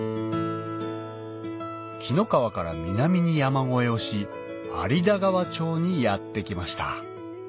紀の川から南に山越えをし有田川町にやって来ました